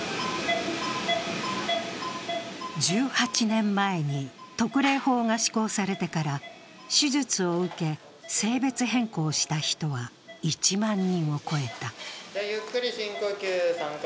１８年前に特例法が施行されてから手術を受け、性別変更した人は１万人を超えた。